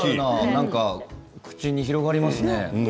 口に広がりますね。